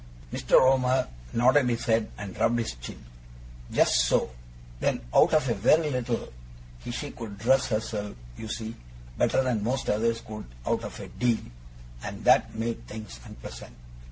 Mr. Omer nodded his head and rubbed his chin. 'Just so. Then out of a very little, she could dress herself, you see, better than most others could out of a deal, and that made things unpleasant.